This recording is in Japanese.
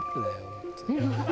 本当に」